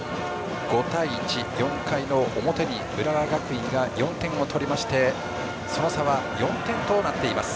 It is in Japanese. ５対１４回の表に浦和学院が４点を取りましてその差は４点となっています。